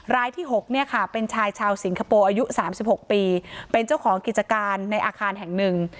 รายที่๖เป็นชายชาวสิงคโปร์อายุ๓๖ปีเป็นเจ้าของกิจการในอาคารแห่งหนึ่ง